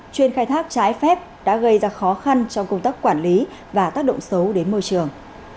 chuyên khai thác trái phép đã gây ra khó khăn trong công tác quản lý và tác động xấu đến môi trường